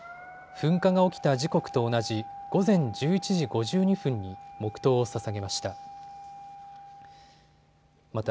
噴火が起きた時刻と同じ午前１１時５２分に黙とうをささげました。